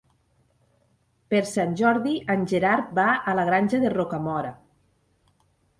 Per Sant Jordi en Gerard va a la Granja de Rocamora.